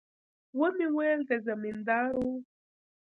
ومې ويل د زمينداورو.